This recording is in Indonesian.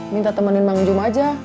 minta temenin mang zoom aja